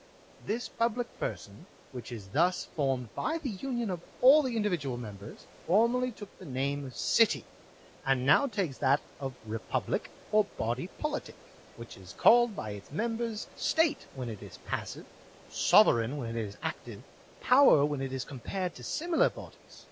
This public person, which is thus formed by the union of all the individual members, for merly took the name of city, and now takes that of re public or BODY POLITIC, which is called by its members State when it is passive, sovereign when it is active, POWER when it is compared to similar bodies.